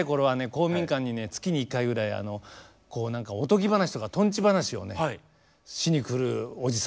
公民館にね月に一回ぐらいこう何かおとぎ話とかとんち話をねしにくるおじさんがいて。